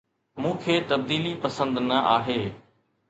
مون کي تبديلي پسند نه آهي